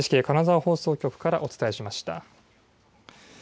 ＮＨＫ金沢放送局からお伝えしました。